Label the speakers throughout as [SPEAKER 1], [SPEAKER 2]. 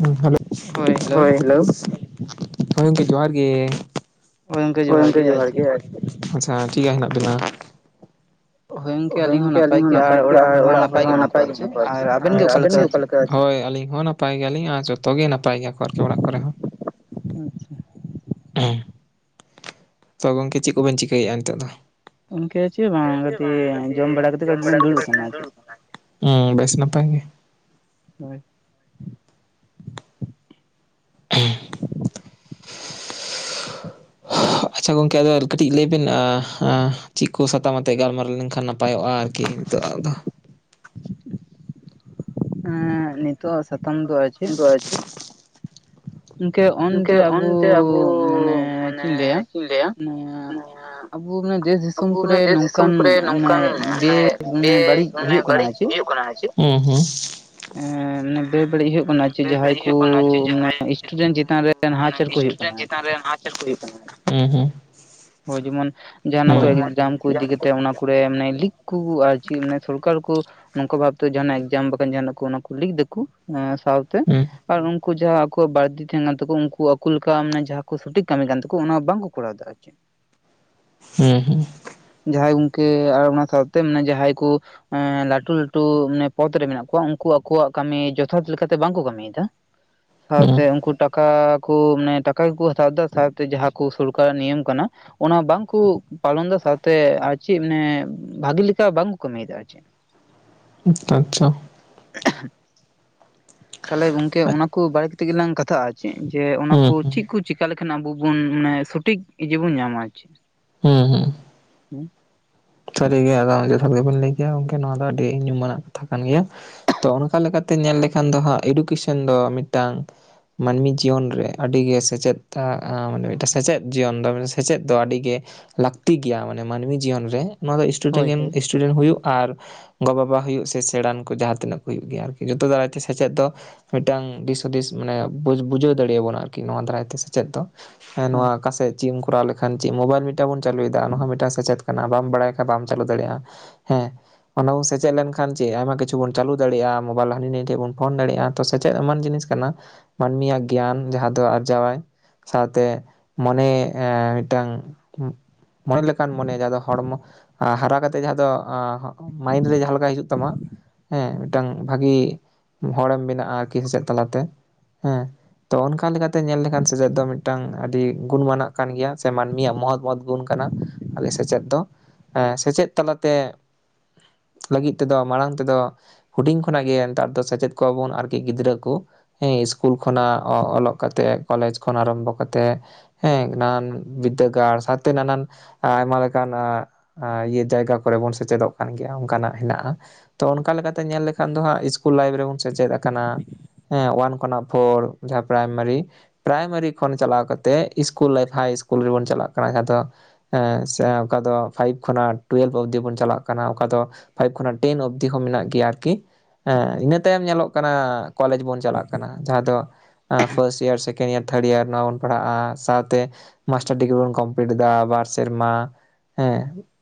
[SPEAKER 1] ᱦᱩᱸ ᱦᱮᱞᱳ, ᱦᱳᱭ ᱦᱮᱞᱳ, ᱦᱳᱭ ᱜᱚᱝᱠᱮ ᱡᱚᱦᱟᱨ ᱜᱮ᱾ ᱦᱳᱭ ᱜᱚᱝᱠᱮ ᱡᱚᱦᱟᱨ ᱜᱮ ᱟᱨᱠᱤ, ᱟᱪᱪᱷᱟ ᱪᱤᱫᱠᱟ ᱦᱮᱱᱟᱜ ᱵᱤᱱᱟ? ᱦᱳᱭ ᱜᱚᱝᱠᱮ ᱟᱞᱤᱧ ᱦᱚᱸ ᱱᱟᱯᱟᱭ ᱜᱮ ᱟᱨ ᱚᱲᱟᱜ ᱦᱚᱲ ᱦᱚᱸ ᱱᱟᱯᱟᱭ ᱜᱮ ᱦᱮᱱᱟᱜ ᱠᱚᱣᱟ ᱪᱮ, ᱟᱨ ᱟᱵᱮᱱ ᱜᱮ ᱚᱠᱟᱞᱮᱠᱟ? ᱦᱳᱭ ᱟᱹᱞᱤᱧ ᱦᱚᱸ ᱱᱟᱯᱟᱭ ᱜᱮᱭᱟᱞᱤᱧ ᱟᱨ ᱡᱚᱛᱚ ᱜᱮ ᱱᱟᱯᱟᱭ ᱜᱮᱭᱟ ᱠᱚ ᱟᱹᱨᱠᱤ ᱚᱲᱟᱜ ᱠᱚᱨᱮ ᱦᱚᱸ᱾
[SPEAKER 2] ᱟᱪᱪᱷᱟ᱾
[SPEAKER 1] [unintelligible] ᱛᱚ ᱜᱚᱝᱠᱮ ᱪᱮᱫ ᱠᱚᱵᱮᱱ ᱪᱤᱠᱟᱹᱭᱮᱫᱼᱟ ᱱᱤᱛᱚᱜ ᱫᱚ? ᱜᱚᱝᱠᱮ ᱪᱮᱫ ᱦᱚᱸ ᱵᱟᱝ ᱠᱟᱹᱴᱤᱡ ᱡᱚᱢ ᱵᱟᱲᱟ ᱠᱟᱛᱮ ᱠᱟᱹᱴᱤᱡ ᱞᱤᱧ ᱫᱩᱲᱩᱵ ᱠᱟᱱᱟ᱾ ᱦᱩᱸ ᱵᱮᱥ ᱱᱟᱯᱟᱭ ᱜᱮ᱾
[SPEAKER 2] ᱦᱳᱭ᱾
[SPEAKER 1] [inaudible]
[SPEAKER 2] [inaudible]
[SPEAKER 1] ᱟᱪᱪᱷᱟ ᱜᱚᱝᱠᱮ ᱟᱫᱚ ᱠᱟᱹᱴᱤᱡ ᱞᱟᱹᱭᱵᱤᱱ ᱮᱸ ᱮᱸ ᱪᱮᱫ ᱠᱚ ᱥᱟᱛᱟᱢ ᱟᱛᱮᱫ ᱜᱟᱞᱢᱟᱨᱟᱣ ᱞᱮᱱᱠᱷᱟᱱ ᱱᱟᱯᱟᱭᱚᱜᱼᱟ ᱟᱨ ᱠᱤᱱᱛᱩ ᱟᱫᱚ᱾
[SPEAKER 2] ᱮᱸ ᱱᱤᱛᱚᱜ ᱟᱜ ᱥᱟᱛᱟᱢ ᱫᱚ ᱟᱨ ᱪᱮᱫ?
[SPEAKER 1] ᱜᱚᱝᱠᱮ ᱚᱱᱛᱮ ᱟᱵᱚ ᱢᱟᱱᱮ ᱪᱮᱫ ᱤᱧ ᱞᱟᱹᱭᱟ?
[SPEAKER 2] ᱢᱟᱱᱮ
[SPEAKER 1] ᱱᱤᱭᱟᱹ
[SPEAKER 2] ᱟᱵᱚ ᱢᱟᱱᱮ ᱫᱮᱥ
[SPEAKER 1] ᱟᱵᱚ
[SPEAKER 2] ᱫᱤᱥᱚᱢ
[SPEAKER 1] ᱚᱱᱟ
[SPEAKER 2] ᱠᱚᱨᱮ
[SPEAKER 1] ᱫᱮᱥ ᱫᱤᱥᱚᱢ
[SPEAKER 2] ᱱᱚᱝᱠᱟᱱ
[SPEAKER 1] ᱠᱚᱨᱮ
[SPEAKER 2] ᱢᱟᱱᱮ
[SPEAKER 1] ᱱᱚᱝᱠᱟᱱ
[SPEAKER 2] ᱵᱮ
[SPEAKER 1] ᱢᱟᱱᱮ ᱵᱮ
[SPEAKER 2] ᱢᱟᱱᱮ ᱵᱟᱹᱲᱤᱡ
[SPEAKER 1] ᱢᱟᱱᱮ
[SPEAKER 2] ᱦᱩᱭᱩᱜ ᱠᱟᱱᱟ
[SPEAKER 1] ᱵᱟᱹᱲᱤᱡ ᱦᱩᱭᱩᱜ ᱠᱟᱱᱟ ᱟᱨ ᱪᱮᱫ᱾ ᱚ ᱦᱩᱸ᱾
[SPEAKER 2] ᱮ ᱢᱟᱱᱮ ᱵᱮ ᱵᱟᱹᱲᱤᱡ ᱦᱩᱭᱩᱜ
[SPEAKER 1] ᱢᱟᱱᱮ
[SPEAKER 2] ᱠᱟᱱᱟ ᱪᱮᱫ
[SPEAKER 1] ᱵᱮ
[SPEAKER 2] ᱡᱟᱦᱟᱸᱭ
[SPEAKER 1] ᱵᱟᱹᱲᱤᱡ
[SPEAKER 2] ᱠᱚ
[SPEAKER 1] ᱦᱩᱭᱩᱜ ᱠᱟᱱᱟ ᱪᱮ ᱡᱟᱦᱟᱸᱭ
[SPEAKER 2] ᱢᱟᱱᱮ
[SPEAKER 1] ᱫᱤᱠᱩ
[SPEAKER 2] ᱥᱴᱩᱰᱮᱱᱴ ᱪᱮᱛᱟᱱ ᱨᱮ ᱱᱟᱦᱟᱪᱟᱨ
[SPEAKER 1] ᱢᱟᱱᱮ
[SPEAKER 2] ᱠᱚ ᱦᱩᱭᱩᱜ ᱠᱟᱱᱟ
[SPEAKER 1] ᱥᱴᱩᱰᱮᱱᱴ
[SPEAKER 2] ᱟᱨ
[SPEAKER 1] ᱪᱮᱛᱟᱱ
[SPEAKER 2] ᱪᱮᱫ᱾
[SPEAKER 1] ᱨᱮ ᱱᱟᱦᱟᱪᱟᱨ ᱦᱩᱸ ᱦᱩᱸ᱾
[SPEAKER 2] ᱦᱳᱭ ᱡᱮᱢᱚᱱ ᱡᱟᱦᱟᱸᱱᱟᱜ ᱠᱚ
[SPEAKER 1] ᱚᱠᱚᱭ ᱡᱮᱢᱚᱱ
[SPEAKER 2] ᱮᱠᱡᱟᱢ ᱠᱚ ᱤᱫᱤ
[SPEAKER 1] ᱡᱟᱦᱟᱸ
[SPEAKER 2] ᱠᱟᱛᱮᱜ ᱚᱱᱟ ᱠᱚᱨᱮ ᱟᱱᱮ ᱞᱤᱠ ᱠᱩ ᱟᱨ ᱪᱮᱫ ᱢᱟᱱᱮ ᱥᱚᱨᱠᱟᱨ ᱠᱚ ᱱᱚᱝᱠᱟ ᱵᱷᱟᱵ ᱛᱮᱱᱟᱜ ᱮᱠᱡᱟᱢ ᱵᱟᱠᱷᱟᱱ ᱵᱟᱠᱷᱟᱱ ᱚᱱᱟ ᱠᱚ ᱞᱤᱠ ᱫᱟ ᱠᱚ ᱥᱟᱶᱛᱮ
[SPEAKER 1] ᱦᱩᱸ
[SPEAKER 2] ᱟᱨ ᱩ ᱠᱩ ᱡᱟᱦᱟᱸ ᱟᱠᱚᱣᱟᱜ ᱵᱟᱹᱲᱛᱤ ᱛᱟᱦᱮᱱᱟ ᱛᱟᱠᱚ ᱩᱱᱠᱩ ᱟᱠᱚ ᱞᱮᱠᱟ ᱢᱟᱱᱮ ᱡᱟᱦᱟᱸ ᱠᱚ ᱥᱚᱴᱷᱤᱠ ᱠᱟᱹᱢᱤ ᱠᱟᱱ ᱛᱠᱚ ᱚᱱᱟ ᱵᱟᱝ ᱠᱚ ᱠᱚᱨᱟᱣᱟ᱾ [inaudible]
[SPEAKER 1] ᱦᱮᱸ ᱦᱮᱸ᱾
[SPEAKER 2] ᱡᱟᱦᱟᱸᱭ ᱜᱚᱢᱠᱮ ᱟᱨ ᱚᱱᱟ ᱥᱟᱶᱛᱮ ᱟᱱᱮ ᱡᱟᱦᱟᱸᱭ ᱠᱚ ᱦᱮᱸ ᱞᱟᱹᱴᱩ ᱞᱟᱹᱴᱩ ᱢᱟᱱᱮ ᱯᱚᱫ ᱨᱮ ᱢᱮᱱᱟᱜ ᱠᱚᱣᱟ, ᱩᱱᱠᱩ ᱟᱠᱚᱣᱟᱜ ᱠᱟᱹᱢᱤ ᱡᱚᱛᱷᱟᱛ ᱞᱮᱠᱟᱛᱮ ᱵᱟᱝ ᱠᱚ ᱠᱟᱹᱢᱤᱭ ᱫᱟ ᱾ [inaudible] ᱥᱟᱶᱛᱮ
[SPEAKER 1] ᱦᱩᱸ
[SPEAKER 2] ᱩᱱᱠᱩ ᱴᱟᱠᱟᱠᱩ ᱢᱟᱱᱮ ᱴᱟᱠᱟ ᱜᱮᱠᱚ ᱦᱟᱛᱟᱣ ᱮᱫᱟ, ᱥᱟᱶᱛᱮ ᱡᱟᱦᱟᱸ ᱠᱩ ᱥᱚᱨᱠᱟᱨᱟᱜ ᱱᱤᱭᱚᱢ ᱠᱟᱱᱟ ᱾ ᱚᱱᱟ ᱵᱟᱝ ᱠᱚ ᱯᱟᱞᱚᱱ ᱮᱫᱟ, ᱥᱟᱶᱛᱮ ᱟᱨ ᱪᱮᱫ ᱢᱟᱱᱮ ᱵᱷᱟᱜᱤ ᱞᱮᱠᱟ ᱵᱟᱝ ᱠᱚ ᱠᱟᱹᱢᱤᱭᱮᱫᱟ ᱟᱨ ᱪᱮᱫ ᱾ [inaudible]
[SPEAKER 1] ᱟᱪᱪᱷᱟ ᱟᱪᱪᱷᱟ ᱾
[SPEAKER 2] [inaudible] ᱛᱟᱦᱚᱞᱮ ᱜᱚᱢᱠᱮ
[SPEAKER 1] ᱦᱩᱸ
[SPEAKER 2] ᱚᱱᱟ ᱠᱚ ᱵᱟᱨᱮ ᱠᱟᱛᱮᱫ ᱜᱮᱞᱟᱝ ᱠᱟᱛᱷᱟᱜᱼᱟ, ᱪᱮᱫ ᱡᱮ ᱚᱱᱟᱠᱚ
[SPEAKER 1] ᱦᱩᱸ
[SPEAKER 2] ᱪᱮᱫ ᱪᱮᱠᱚ ᱪᱮᱠᱟ ᱞᱮᱠᱷᱟᱱ ᱟᱵᱚ ᱵᱚᱱ ᱢᱟᱱᱮ ᱥᱚᱴᱷᱤᱠ ᱤᱭᱟᱹ ᱵᱚᱱ ᱧᱟᱢᱟ ᱟᱨ ᱪᱮᱫ ᱾
[SPEAKER 1] ᱦᱮᱸ ᱦᱩᱸ ᱾ ᱥᱟᱹᱨᱤᱜᱮ ᱟᱫᱚ ᱡᱚᱛᱷᱟᱛ ᱜᱮᱵᱮᱱ ᱞᱟᱹᱭ ᱠᱮᱭᱟ ᱜᱚᱢᱠᱮ ᱱᱚᱣᱟ ᱫᱚ ᱟᱹᱰᱤ ᱧᱩᱢᱟᱱᱟᱜ ᱠᱟᱛᱷᱟ ᱠᱟᱱ ᱜᱮᱭᱟ ᱛᱚ᱾ ᱚᱱᱠᱟ ᱞᱮᱠᱟᱛᱮ ᱧᱮᱞ ᱞᱮᱠᱷᱟᱱ ᱫᱚ ᱦᱟᱜ ᱮᱰᱩᱠᱮᱥᱚᱱ ᱫᱚ ᱢᱤᱫᱴᱟᱝ ᱢᱟᱹᱱᱢᱤ ᱡᱤᱭᱚᱱ ᱨᱮ ᱟᱹᱰᱤᱜᱮ ᱥᱮᱪᱮᱫ ᱢᱟᱱᱮ ᱢᱤᱫᱴᱟᱝ ᱥᱮᱪᱮᱫ ᱡᱤᱭᱚᱱ ᱫᱚ ᱥᱮᱪᱮᱫ ᱫᱚ ᱟᱹᱰᱤᱜᱮ, ᱞᱟᱹᱠᱛᱤ ᱜᱮᱭᱟ᱾ ᱢᱟᱱᱮ ᱢᱟᱹᱱᱢᱤ ᱡᱤᱭᱚᱱ ᱨᱮ ᱱᱚᱣᱟ ᱫᱚ
[SPEAKER 2] ᱦᱳᱭ ᱦᱳᱭ
[SPEAKER 1] ᱤᱥᱩᱴᱩᱰᱮᱱᱴ ᱦᱩᱭᱩᱜ ᱟᱨ ᱜᱚ ᱵᱟᱵᱟ ᱦᱩᱭᱩᱜ ᱥᱮᱬᱟᱱ ᱠᱚ, ᱡᱟᱦᱟᱸ ᱛᱤᱱᱟᱹᱜ ᱠᱚ ᱦᱩᱭᱩᱜ ᱜᱮᱭᱟ ᱟᱨᱠᱤ ᱡᱚᱛᱚ ᱫᱟᱨᱟᱭᱛᱮ ᱥᱮᱪᱮᱫ ᱫᱚ, ᱢᱤᱫᱴᱟᱝ ᱫᱤᱥ ᱦᱩᱫᱤᱥ ᱢᱟᱱᱮ ᱵᱚ ᱵᱩᱡᱷᱟᱹᱣ ᱫᱟᱲᱮᱭᱟ ᱵᱚᱱᱟ ᱟᱨᱠᱤ ᱱᱚᱣᱟ ᱫᱟᱨᱟᱭᱛᱮ ᱥᱮᱪᱮᱫ ᱫᱚ ᱾ ᱦᱮᱸ
[SPEAKER 2] ᱦᱳᱭ
[SPEAKER 1] ᱱᱚᱣᱟ ᱚᱠᱟᱥᱮᱫ ᱪᱮᱫ ᱮᱢ ᱠᱚᱨᱟᱣ ᱞᱮᱠᱷᱟᱱ ᱪᱮᱫ ᱢᱳᱵᱟᱭᱤᱞ ᱢᱤᱫᱴᱟᱝ ᱵᱚᱱ ᱪᱟᱹᱞᱩᱭᱮᱫᱟ, ᱱᱚᱣᱟ ᱢᱤᱫᱴᱟᱝ ᱥᱮᱪᱮᱫ ᱠᱟᱱᱟ ᱵᱟᱢ ᱵᱟᱲᱟᱭ ᱵᱟᱢ ᱪᱟᱹᱞᱩ ᱫᱟᱲᱮᱭᱟᱜᱼᱟ ᱦᱮᱸ ᱾ ᱚᱱᱟ ᱵᱚᱱ ᱥᱮᱪᱮᱫ ᱞᱮᱱᱠᱷᱟᱱ ᱪᱮᱫ ᱟᱭᱢᱟ ᱠᱤᱪᱩ ᱵᱚᱱ ᱪᱟᱹᱞᱩ ᱫᱟᱲᱭᱟᱜᱼᱟ, ᱢᱳᱵᱟᱭᱤᱞ ᱦᱟᱹᱱᱤ ᱱᱟᱹ ᱴᱷᱮᱡ ᱵᱚᱱ ᱯᱷᱳᱱ ᱫᱟᱲᱮᱭᱟᱜᱼᱟ ᱾ ᱥᱮᱪᱮᱫ ᱮᱢᱟᱱ ᱡᱤᱱᱤᱥ ᱠᱟᱱᱟ, ᱢᱟᱹᱱᱢᱤᱭᱟᱜ ᱜᱮᱭᱟᱱ ᱡᱟᱦᱟᱸ ᱫᱚ ᱟᱨᱡᱟᱣᱟᱭ ᱾ ᱥᱟᱶᱛᱮ ᱢᱚᱱᱮ ᱮ ᱢᱤᱫᱴᱟᱝ ᱢᱚᱱᱮ ᱞᱮᱠᱟᱱ ᱢᱚᱱᱮᱭᱟ ᱡᱮ ᱟᱫᱚ ᱦᱚᱲᱢᱚ ᱦᱟᱨᱟ ᱠᱟᱛᱮ ᱮᱫ, ᱡᱟᱦᱟᱸ ᱫᱚ ᱢᱟᱭᱤᱱᱰ ᱨᱮ ᱡᱟᱦᱟᱸᱮ ᱞᱮᱠᱟ ᱦᱤᱡᱩᱜ ᱛᱟᱢᱟ ᱾ ᱦᱮᱸ ᱢᱤᱫᱴᱟᱝ ᱵᱷᱟᱹᱜᱤ ᱦᱚᱲᱮᱢ ᱢᱮᱱᱟᱜᱼᱟ ᱟᱨᱠᱤ ᱥᱮᱪᱮᱫ ᱛᱟᱞᱟᱛᱮ ᱦᱮᱸ ᱾ ᱛᱚ ᱚᱱᱠᱟ ᱞᱮᱠᱟᱛᱮ ᱧᱮᱞ ᱞᱮᱠᱷᱟᱱ ᱥᱮᱪᱮᱫ ᱫᱚ ᱢᱤᱫᱴᱟᱱ ᱟᱹᱰᱤ ᱜᱩᱱᱢᱟᱱᱟᱜ ᱠᱟᱱ ᱜᱮᱭᱟ ᱥᱮ ᱢᱟᱹᱱᱢᱤᱭᱟᱜ ᱢᱚᱦᱚᱛ ᱢᱚᱦᱚᱛ ᱜᱩᱱ ᱠᱟᱱᱟ ᱾ ᱟᱞᱮ ᱥᱮᱪᱮᱫ ᱫᱚ ᱾ ᱥᱮᱪᱮᱫ ᱛᱟᱞᱟᱛᱮ ᱞᱟᱹᱜᱤᱫ ᱛᱮᱫᱚ ᱢᱟᱲᱟᱝ ᱛᱮ ᱫᱚ, ᱦᱩᱰᱤᱧ ᱠᱷᱚᱱᱟᱜ ᱜᱮ ᱱᱮᱛᱟᱨ ᱫᱚ ᱥᱮᱪᱮᱫ ᱠᱚᱣᱟᱵᱚᱱ ᱟᱨᱠᱤ ᱜᱤᱫᱽᱨᱟᱹ ᱠᱩ ᱾ ᱦᱮᱸ ᱥᱤᱥᱠᱩᱞ ᱠᱷᱚᱱᱟᱜ ᱚᱞᱚᱜ ᱠᱟᱛᱮᱜ ᱠᱚᱞᱮᱡᱽ ᱠᱷᱚᱱᱟᱜ ᱟᱨᱟᱢᱵᱷᱚ ᱠᱟᱛᱮᱜ, ᱦᱮᱸ ᱱᱟᱱᱟᱱ ᱵᱤᱫᱽᱫᱟᱹᱜᱟᱲ ᱥᱟᱶ ᱱᱟᱱᱟᱱ ᱟᱭᱢᱟ ᱞᱮᱠᱟᱱ, ᱤᱭᱟᱹ ᱡᱟᱭᱜᱟ ᱠᱚᱨᱮ ᱵᱚᱱ ᱥᱮᱪᱮᱫᱚᱜ ᱠᱟᱱ ᱜᱮᱭᱟ ᱚᱱᱠᱟᱱᱟᱜ ᱦᱮᱱᱟᱜᱼᱟ ᱾ ᱛᱚ ᱚᱱᱠᱟ ᱞᱮᱠᱟᱛᱮ ᱧᱮᱞ ᱞᱮᱠᱷᱟᱱ ᱫᱚ ᱦᱟᱸᱜ ᱤᱥᱠᱩᱞ ᱞᱟᱭᱤᱯᱷ ᱨᱮᱵᱚᱱ ᱥᱮᱪᱮᱫ ᱟᱠᱟᱱᱟ ᱾ ᱦᱮᱸ ᱳᱣᱟᱨ ᱠᱷᱚᱱᱟᱜ ᱯᱷᱳᱨ ᱡᱟᱦᱟᱸ ᱯᱨᱟᱭᱢᱟᱨᱤ ᱾ ᱯᱨᱟᱭᱢᱟᱨᱤ ᱠᱷᱚᱱ ᱪᱟᱞᱟᱣ ᱠᱟᱛᱮᱫ ᱤᱥᱠᱩᱞ ᱞᱟᱭᱤᱯᱷ ᱦᱟᱭ ᱤᱥᱠᱩᱞ ᱨᱮᱵᱚᱱ ᱪᱟᱞᱟᱜ ᱠᱟᱱᱟ ᱾ ᱡᱟᱦᱟᱸ ᱫᱚ ᱦᱮᱸ ᱥᱮ ᱚᱠᱟ ᱫᱚ ᱯᱷᱟᱭᱤᱵᱽ ᱠᱷᱚᱱᱟᱜ ᱴᱩᱭᱮᱞᱵᱷ ᱚᱵᱫᱤ ᱵᱚᱱ ᱪᱟᱞᱟᱜ ᱠᱟᱱᱟ, ᱚᱠᱟ ᱫᱚ ᱯᱷᱟᱭᱤᱵᱽ ᱠᱷᱚᱱᱟᱜ ᱴᱮᱱ ᱚᱵᱫᱤ ᱦᱚᱸ ᱢᱮᱱᱟᱜ ᱜᱮᱭᱟ ᱟᱨᱠᱤ ᱾ ᱦᱚᱸ ᱤᱱᱟᱹ ᱛᱟᱭᱚᱢ ᱧᱮᱞᱚᱜ ᱠᱟᱱᱟ ᱠᱚᱞᱮᱡᱽ ᱵᱚᱱ ᱪᱟᱞᱟᱜ ᱠᱟᱱᱟ ᱾ ᱡᱟᱦᱟᱸ ᱫᱚ first year second year third year ᱱᱚᱣᱟ ᱵᱚᱱ ᱯᱟᱲᱦᱟᱜᱼᱟ, ᱥᱟᱶᱛᱮ ᱢᱟᱥᱴᱟᱨ ᱰᱤᱜᱽᱨᱤ ᱵᱚᱱ ᱠᱚᱢᱯᱞᱤᱴ ᱮᱫᱟ ᱵᱟᱨ ᱥᱮᱨᱢᱟ ᱾ ᱦᱮᱸ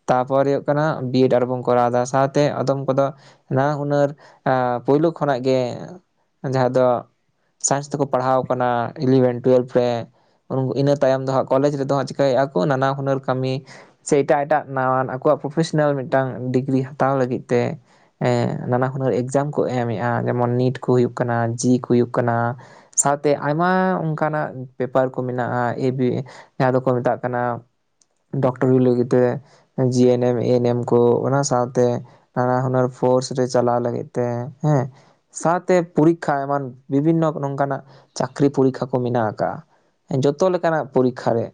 [SPEAKER 1] ᱛᱟᱯᱚᱨ ᱦᱩᱭᱩᱜ ᱠᱟᱱᱟ ᱵᱤ ᱮᱰ ᱟᱨᱵᱚᱱ ᱠᱚᱨᱟᱣᱫᱟ ᱥᱟᱶᱛᱮ ᱟᱫᱚᱢ ᱠᱚ ᱫᱚ, ᱱᱟᱱᱟ ᱦᱩᱱᱟᱹᱨ ᱯᱳᱭᱞᱳ ᱠᱷᱚᱱᱟᱜ ᱜᱮ ᱡᱟᱦᱟᱸ ᱫᱚ, ᱥᱟᱭᱮᱱᱥ ᱛᱮᱠᱚ ᱯᱟᱲᱦᱟᱣ ᱠᱟᱱᱟ ᱤᱞᱤᱵᱷᱮᱱ ᱴᱩᱭᱮᱞᱵᱷ ᱨᱮ ᱾ ᱤᱱᱟᱹ ᱛᱟᱭᱚᱢ ᱫᱚ ᱦᱟᱸᱜ ᱠᱚᱞᱮᱡᱽ ᱨᱮᱫᱚ ᱦᱟᱸᱜ ᱪᱤᱠᱟᱹᱭᱮᱫᱼᱟ ᱠᱚ ᱱᱟᱱᱟ ᱦᱩᱱᱟᱹᱨ ᱠᱟᱹᱢᱤ, ᱥᱮ ᱮᱴᱟᱜ ᱮᱴᱟᱜ ᱱᱟᱣᱟᱱ ᱟᱠᱚᱣᱟᱜ ᱯᱨᱚᱯᱷᱮᱥᱚᱱᱟᱞ ᱢᱤᱫᱴᱟᱱ ᱰᱤᱜᱽᱨᱤ ᱦᱟᱛᱟᱣ ᱞᱟᱹᱜᱤᱫ ᱛᱮ, ᱦᱮᱸ ᱱᱟᱱᱟ ᱦᱩᱱᱟᱹᱨ ᱮᱠᱡᱟᱢ ᱠᱚ ᱮᱢᱮᱜᱼᱟ ᱡᱮᱢᱚᱱ ᱱᱤᱴ ᱠᱚ ᱦᱩᱭᱩᱜ ᱠᱟᱱᱟ ᱡᱤ ᱠᱚ ᱦᱩᱭᱩᱜ ᱠᱟᱱᱟ ᱾ ᱥᱟᱶᱛᱮ ᱟᱭᱢᱟ ᱚᱝᱠᱟᱱᱟᱜ ᱯᱮᱯᱟᱨ ᱠᱚ ᱢᱮᱱᱟᱜᱼᱟ ᱮᱵᱤ ᱡᱟᱦᱟᱸ ᱫᱚᱠᱚ ᱢᱮᱛᱟᱜ ᱠᱟᱱᱟ ᱴᱩᱨᱤ ᱞᱟᱹᱜᱤᱫ ᱛᱮ ᱡᱤ ᱮᱱ ᱮᱢ ᱮᱱ ᱮᱢ ᱠᱚ ᱚᱱᱟ ᱥᱟᱶᱛᱮ ᱱᱟᱱᱟᱦᱩᱱᱟᱹᱨ ᱯᱷᱳᱨᱥ ᱨᱮ ᱪᱟᱞᱟᱣ ᱞᱟᱹᱜᱤᱫ ᱛᱮ ᱦᱮᱸ, ᱥᱟᱶᱛᱮ ᱯᱚᱨᱤᱠᱠᱷᱟ ᱮᱢᱟᱱ ᱵᱤᱵᱷᱤᱱᱱᱚ ᱱᱚᱝᱠᱟᱱᱟᱜ ᱪᱟᱠᱨᱤ ᱯᱚᱨᱤᱠᱠᱷᱟ ᱠᱚ ᱢᱤᱱᱟᱜ ᱠᱟᱜᱼᱟ᱾ ᱡᱚᱛᱚ ᱞᱮᱠᱟᱱᱟᱜ ᱯᱚᱨᱤᱠᱠᱷᱟ ᱨᱮ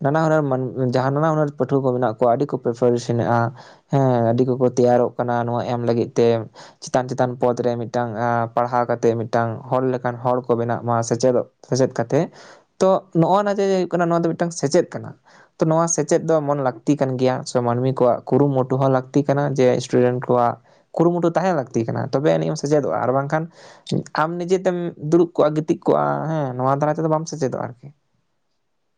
[SPEAKER 1] ᱱᱟᱱᱟ ᱦᱩᱱᱟᱹᱨ ᱡᱟᱦᱟ ᱱᱟᱱᱟ ᱦᱩᱱᱟᱹᱨ ᱯᱟᱹᱴᱷᱩᱣᱟᱹ ᱠᱚ ᱢᱮᱱᱟᱜ ᱠᱚᱣᱟ, ᱟᱹᱰᱤ ᱠᱚ ᱯᱨᱤᱯᱟᱨᱮᱥᱚᱱᱮᱫᱼᱟ᱾ ᱦᱮᱸ ᱟᱹᱰᱤ ᱠᱚᱠᱚ ᱛᱮᱭᱟᱨᱚᱜ ᱠᱟᱱᱟ ᱱᱚᱣᱟ ᱮᱢ ᱞᱟᱹᱜᱤᱫ ᱛᱮ᱾ ᱪᱤᱛᱟᱱ ᱪᱤᱛᱟᱱ ᱯᱚᱫ ᱨᱮ ᱢᱤᱫᱴᱟᱝ ᱯᱟᱲᱦᱟᱣ ᱠᱟᱛᱮᱜ ᱢᱤᱫᱴᱟᱝ ᱦᱚᱲ ᱞᱮᱠᱟᱱ ᱦᱚᱲ ᱠᱚ ᱵᱮᱱᱟᱜ ᱢᱟ, ᱥᱮᱪᱮᱫᱚᱜ ᱥᱮᱪᱮᱫ ᱠᱟᱛᱮᱜ ᱛᱚ ᱱᱚᱜᱼᱱᱟ ᱡᱮ ᱦᱩᱭᱩᱜ ᱠᱟᱱᱟ ᱱᱚᱣᱟ ᱫᱚ ᱢᱤᱫᱴᱟᱝ ᱥᱮᱪᱮᱫ ᱠᱟᱱᱟ, ᱛᱚ ᱱᱚᱣᱟ ᱥᱮᱪᱮᱫ ᱫᱚ ᱢᱚᱱ ᱞᱟᱹᱠᱛᱤ ᱠᱟᱱ ᱜᱮᱭᱟ ᱥᱮ ᱢᱟᱹᱱᱢᱤ ᱠᱚᱣᱟᱜ ᱠᱩᱨᱩᱢᱩᱴᱩ ᱦᱚᱸ ᱞᱟᱹᱠᱛᱤ ᱠᱟᱱᱟ, ᱡᱮ ᱥᱴᱩᱰᱮᱱᱴ ᱠᱚᱣᱟᱜ ᱠᱩᱨᱩᱢᱩᱴᱩ ᱛᱟᱦᱮᱸ ᱞᱟᱹᱠᱛᱤ ᱠᱟᱱᱟ ᱛᱚᱵᱮ ᱟᱹᱱᱤᱡᱢ ᱥᱮᱪᱮᱫᱚᱜᱼᱟ, ᱟᱨ ᱵᱟᱝᱠᱷᱟᱱ ᱟᱢ ᱱᱤᱡᱮᱛᱮᱢ ᱫᱩᱲᱩᱵ ᱠᱚᱜᱼᱟ ᱜᱤᱛᱤᱡ ᱠᱚᱜᱼᱟ ᱦᱮᱸ ᱱᱚᱣᱟ ᱫᱟᱨᱟᱭ ᱛᱮᱫᱚ ᱵᱟᱢ ᱥᱮᱪᱮᱫᱚᱜᱼᱟ ᱟᱨᱠᱤ᱾
[SPEAKER 2] [unintelligible]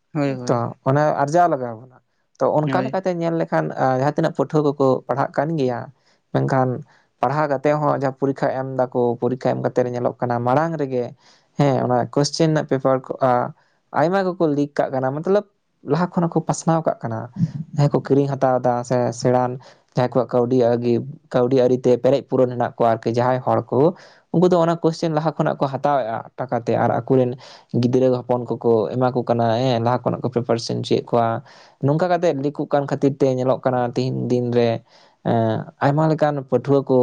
[SPEAKER 1] ᱛᱚ
[SPEAKER 2] ᱦᱳᱭ
[SPEAKER 1] ᱚᱱᱮ ᱟᱨᱡᱟᱣ ᱞᱟᱜᱟᱣ ᱵᱚᱱᱟ ᱛᱚ ᱚᱱᱠᱟ
[SPEAKER 2] ᱦᱳᱭ
[SPEAKER 1] ᱞᱮᱠᱟᱛᱮ ᱧᱮᱞ ᱞᱮ ᱠᱷᱟᱱ ᱟᱸ ᱡᱟᱦᱟᱸ ᱛᱤᱱᱟᱹᱜ ᱯᱟᱹᱴᱷᱩᱣᱟᱹ ᱠᱚᱠᱚ ᱯᱟᱲᱦᱟᱜ ᱠᱟᱱ ᱜᱮᱭᱟ ᱢᱮᱱᱠᱷᱟᱱ ᱯᱟᱲᱦᱟᱣ ᱠᱟᱛᱮ ᱦᱚᱸ ᱡᱟᱦᱟᱸ ᱯᱚᱨᱤᱠᱠᱷᱟ ᱮᱢ ᱫᱟᱠᱚ ᱯᱚᱨᱤᱠᱠᱷᱟ ᱮᱢ ᱠᱟᱛᱮᱜ ᱧᱮᱞᱚᱜ ᱠᱟᱱᱟ ᱢᱟᱲᱟᱝ ᱨᱮᱜᱮ ᱦᱮᱸ ᱚᱱᱟ ᱠᱚᱥᱪᱮᱱ ᱨᱮᱱᱟᱜ ᱯᱮᱯᱟᱨ ᱠᱚ ᱟ ᱟᱭᱢᱟ ᱜᱮᱠᱚ ᱞᱤᱠ ᱠᱟᱜ ᱠᱟᱱᱟ ᱢᱚᱛᱞᱚᱵ ᱞᱟᱦᱟ ᱠᱷᱚᱱᱚ ᱦᱚᱸ ᱠᱚ ᱯᱟᱥᱱᱟᱣ ᱠᱟᱜ ᱠᱟᱱᱟ, ᱡᱟᱦᱟᱸᱭ ᱠᱚ ᱠᱤᱨᱤᱧ ᱦᱟᱛᱟᱣ ᱫᱟ ᱥᱮ ᱥᱮᱬᱟᱱ ᱡᱟᱦᱟᱸᱭ ᱠᱚᱣᱟᱜ ᱠᱟᱹᱣᱤ ᱟᱣᱜᱤ ᱠᱟᱹᱣᱰᱤ ᱟᱹᱨᱤᱛᱮ ᱯᱮᱨᱮᱡ ᱯᱩᱨᱚᱱ ᱦᱮᱱᱟ ᱠᱚᱣᱟ ᱟᱨᱠᱤ ᱡᱟᱦᱟᱸᱭ ᱦᱚᱲ ᱠᱚ, ᱩᱝᱠᱩ ᱫᱚ ᱚᱱᱟ ᱠᱚᱥᱪᱮᱱ ᱞᱟᱦᱟ ᱠᱷᱚᱱᱟᱜ ᱠᱚ ᱦᱟᱛᱟᱣᱮᱫᱼᱟ ᱴᱟᱠᱟᱛᱮ ᱟᱨ ᱟᱠᱩᱨᱮᱱ ᱜᱤᱫᱽᱨᱟᱹ ᱦᱚᱯᱚᱱ ᱠᱚᱠᱚ ᱮᱢᱟ ᱠᱚ ᱠᱟᱱᱟ ᱦᱮᱸ ᱞᱟᱦᱟ ᱠᱷᱚᱱᱟᱜ ᱠᱚ ᱯᱨᱤᱯᱟᱨᱮᱥᱮᱱ ᱦᱚᱪᱚᱭᱮᱫ ᱠᱚᱣᱟ᱾ ᱱᱚᱝᱠᱟ ᱠᱟᱛᱮᱜ ᱞᱤᱠᱚᱜ ᱠᱟᱱ ᱠᱷᱟᱹᱛᱤᱨ ᱛᱮ ᱧᱮᱞᱚᱜ ᱠᱟᱱᱟ ᱛᱮᱦᱤᱧ ᱫᱤᱱ ᱨᱮ ᱮᱸᱜ ᱟᱭᱢᱟ ᱞᱮᱠᱟᱱ ᱯᱟᱹᱴᱷᱩᱣᱟᱹ ᱠᱚ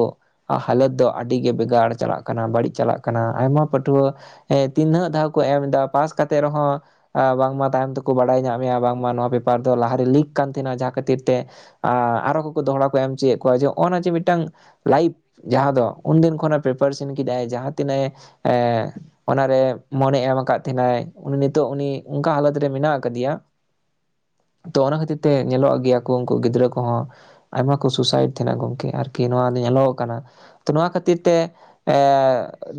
[SPEAKER 1] ᱦᱟᱞᱚᱛ ᱫᱚ ᱟᱹᱰᱤᱜᱮ ᱵᱷᱮᱜᱟᱨ ᱪᱟᱞᱟᱜ ᱠᱟᱱᱟ ᱵᱟᱹᱲᱤᱡ ᱪᱟᱞᱟᱜ ᱠᱟᱱᱟ ᱟᱭᱢᱟ ᱯᱟᱹᱴᱷᱩᱣᱟᱹ ᱮᱸ ᱛᱤᱱᱟᱹᱜ ᱫᱷᱟᱣ ᱠᱚ ᱮᱢᱫᱟ ᱯᱟᱥ ᱠᱟᱛᱮᱜ ᱨᱮᱦᱚᱸ ᱟ ᱵᱟᱝᱢᱟ ᱛᱟᱭᱚᱢ ᱛᱮᱠᱚ ᱵᱟᱲᱟᱭ ᱧᱟᱢ ᱮᱭᱟ ᱵᱟᱝᱢᱟ ᱱᱚᱣᱟ ᱯᱮᱯᱟᱨ ᱫᱚ ᱞᱟᱦᱟᱨᱮ ᱞᱤᱠ ᱠᱟᱱ ᱛᱟᱦᱮᱱᱟ, ᱡᱟᱦᱟᱸ ᱠᱷᱟᱹᱛᱤᱨ ᱛᱮ ᱟ ᱟᱨᱚ ᱠᱚᱠᱚ ᱫᱚᱦᱲᱟ ᱠᱚ ᱮᱢ ᱦᱚᱪᱚᱭᱮᱫ ᱠᱚᱣᱟ ᱡᱮ ᱱᱚᱜᱼᱱᱟ ᱡᱮ ᱢᱤᱫᱴᱟᱝ ᱞᱟᱭᱤᱯᱷ ᱡᱟᱦᱟᱸ ᱫᱚ ᱩᱱᱫᱤᱱ ᱠᱷᱚᱱᱮ ᱯᱨᱤᱯᱟᱨᱮᱥᱟᱱ ᱠᱮᱫᱟᱭ ᱡᱟᱦᱟᱸ ᱛᱤᱱᱟᱹᱜ ᱮᱸ ᱚᱱᱟᱨᱮ ᱢᱚᱱᱮ ᱮᱢ ᱠᱟᱫ ᱛᱟᱦᱮᱸᱱᱟᱭ ᱩᱱᱤ ᱱᱤᱛᱚᱜ ᱩᱱᱤ ᱚᱝᱠᱟ ᱦᱟᱞᱚᱛ ᱨᱮ ᱢᱮᱱᱟᱜ ᱠᱟᱫᱮᱭᱟ ᱛᱚ ᱚᱱᱟ ᱠᱷᱟᱹᱛᱤᱨ ᱛᱮ ᱧᱮᱞᱚᱜ ᱜᱮᱭᱟ ᱠᱚ ᱩᱝᱠᱩ ᱜᱤᱫᱽᱨᱟᱹ ᱠᱚᱦᱚᱸ ᱟᱭᱢᱟ ᱠᱚ ᱥᱩᱭᱥᱟᱭᱤᱰ ᱛᱟᱦᱮᱸᱱᱟ ᱜᱚᱢᱠᱮ ᱟᱨᱠᱤ ᱱᱚᱣᱟ ᱫᱚ ᱧᱮᱞᱚᱜ ᱠᱟᱱᱟ ᱛᱚ ᱱᱚᱣᱟ ᱠᱷᱟᱹᱛᱤᱨ ᱛᱮ ᱮᱸ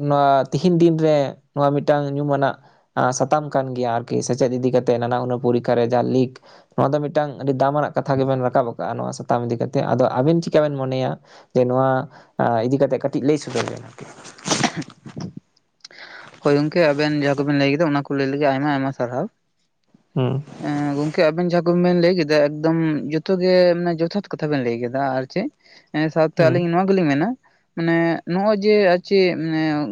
[SPEAKER 1] ᱱᱚᱣᱟ ᱛᱮᱦᱤᱧ ᱫᱤᱱᱨᱮ ᱱᱚᱣᱟ ᱢᱤᱫᱴᱟᱝ ᱧᱩᱢᱟᱱᱟᱜ ᱟᱸ ᱥᱟᱛᱟᱢ ᱠᱟᱱ ᱜᱮᱭᱟ ᱟᱨᱠᱤ ᱥᱮᱪᱮᱫ ᱤᱫᱤ ᱠᱟᱛᱮᱜ ᱱᱟᱱᱟ ᱦᱩᱱᱟᱹ ᱯᱚᱨᱤᱠᱠᱷᱟ ᱨᱮ ᱡᱟᱦᱟᱸ ᱞᱤᱠ ᱱᱚᱣᱟ ᱫᱚ ᱢᱤᱫᱴᱟᱱ ᱟᱹᱰᱤ ᱫᱟᱢᱟᱱᱟᱜ ᱠᱟᱛᱷᱟ ᱜᱮᱵᱮᱱ ᱨᱟᱠᱟᱵ ᱠᱟᱜᱼᱟ ᱱᱚᱣᱟ ᱥᱟᱛᱟᱢ ᱤᱫᱤ ᱠᱟ ᱠᱟᱛᱮᱫ ᱟᱫᱚ ᱟᱵᱤᱱ ᱪᱤᱠᱟ ᱵᱮᱱ ᱢᱚᱱᱮᱭᱟ ᱡᱮ ᱱᱚᱣᱟ ᱤᱫᱤ ᱠᱟᱛᱮᱜ ᱠᱟᱹᱴᱤᱡ ᱞᱟᱹᱭ ᱥᱚᱫᱚᱨ ᱵᱮᱱ ᱟᱨᱠᱤ᱾
[SPEAKER 2] [unintelligible] ᱦᱳᱭ ᱜᱚᱝᱠᱮ ᱟᱵᱮᱱ ᱡᱟᱦᱟᱸ ᱠᱚᱵᱮᱱ ᱞᱟᱹᱭ ᱠᱮᱫᱟ ᱚᱱᱟᱠᱩ ᱞᱟᱹᱭ ᱞᱟᱹᱜᱤᱫ ᱟᱭᱢᱟ ᱟᱭᱢᱟ ᱥᱟᱨᱦᱟᱣ,
[SPEAKER 1] ᱦᱩᱸ᱾
[SPEAKER 2] ᱦᱮᱸ ᱜᱚᱝᱠᱮ ᱟᱵᱮᱱ ᱡᱟᱦᱟᱸ ᱠᱚᱵᱮᱱ ᱞᱟᱹᱭ ᱠᱮᱫᱟ ᱮᱠᱫᱚᱢ ᱡᱷᱚᱛᱚ ᱜᱮ ᱡᱚᱛᱷᱟᱛ ᱠᱟᱛᱷᱟ ᱵᱮᱱ ᱞᱟᱹᱭ ᱠᱮᱫᱟ, ᱟᱨ ᱪᱮᱫ ᱮᱸ ᱥᱟᱶᱛᱮ
[SPEAKER 1] ᱦᱩᱸ
[SPEAKER 2] ᱟᱹᱞᱤᱧ ᱱᱚᱣᱟ ᱜᱮᱞᱤᱧ ᱢᱮᱱᱟ ᱢᱟᱱᱮ ᱱᱚᱜᱼᱚᱭ ᱡᱮ ᱟᱨ ᱪᱮᱫ